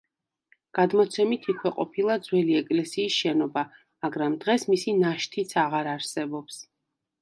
გადმოცემით იქვე ყოფილა ძველი ეკლესიის შენობა, მაგრამ დღეს მისი ნაშთიც აღარ არსებობს.